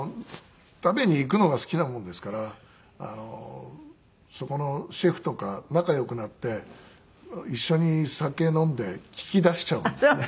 食べに行くのが好きなもんですからそこのシェフとか仲良くなって一緒に酒飲んで聞き出しちゃうんですね。